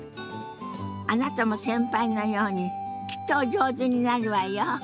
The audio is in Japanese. あなたも先輩のようにきっとお上手になるわよ。